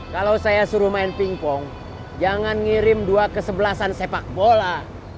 kalau saya suruh main pingpong jangan ngirim dua kesebelasan sepak bola